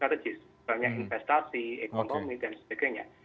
strategis banyak investasi ekonomi dan sebagainya